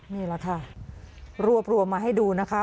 นี่แหละค่ะรวบรวมมาให้ดูนะคะ